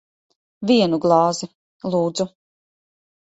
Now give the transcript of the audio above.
Vienu glāzi. Lūdzu.